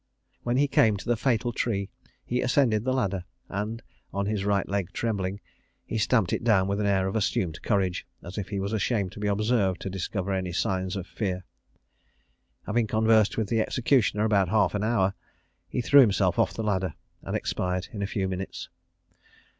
When he came to the fatal tree he ascended the ladder; and, on his right leg trembling, he stamped it down with an air of assumed courage, as if he was ashamed to be observed to discover any signs of fear. Having conversed with the executioner about half an hour, he threw himself off the ladder, and expired in a few minutes.